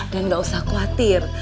dan gak usah khawatir